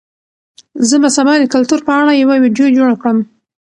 زه به سبا د کلتور په اړه یوه ویډیو جوړه کړم.